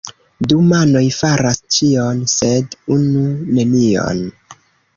Du manoj faras ĉion, sed unu nenion.